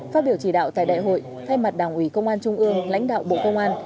phát biểu chỉ đạo tại đại hội thay mặt đảng ủy công an trung ương lãnh đạo bộ công an